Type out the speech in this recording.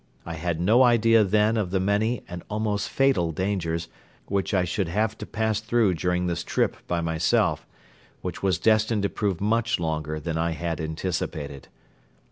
I had no idea then of the many and almost fatal dangers which I should have to pass through during this trip by myself, which was destined to prove much longer than I had anticipated.